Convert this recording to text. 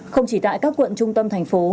không chỉ tại các quận trung tâm thành phố